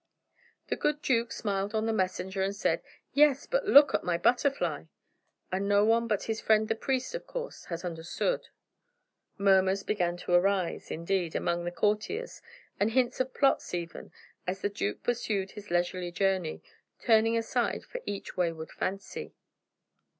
The good duke smiled on the messenger and said, "Yes! but look at my butterfly " and no one but his friend the priest, of course, had understood. Murmurs began to arise, indeed, among the courtiers, and hints of plots even, as the duke pursued his leisurely journey, turning aside for each wayward fancy.